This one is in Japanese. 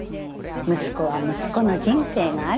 「息子は息子の人生がある。